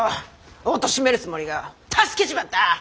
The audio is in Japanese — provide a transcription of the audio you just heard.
おとしめるつもりが助けちまった！